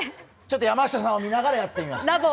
山下さんを見ながらやってみました。